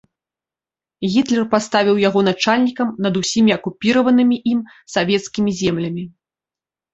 Гітлер паставіў яго начальнікам над усімі акупіраванымі ім савецкімі землямі.